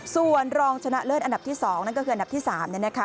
ส่วนรองชนะเลิศอันดับที่๒นั่นก็คืออันดับที่๓เนี่ยนะคะ